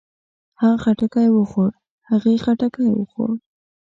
هغۀ خټکی وخوړ. هغې خټکی وخوړ.